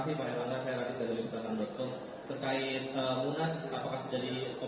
saya rakyat dari lintakan com